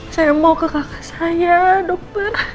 saya mau ke kakak saya depan